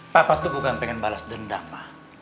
papa tuh bukan pengen balas dendam lah